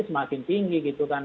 semakin tinggi gitu kan